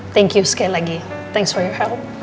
thank you sekali lagi thanks for your help